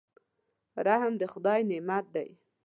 رحم د خدای نعمت دی.